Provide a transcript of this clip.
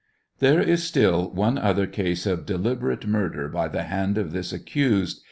There is still one other case of deliberate murder by the hand of this accused.